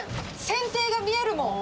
船底が見えるもん。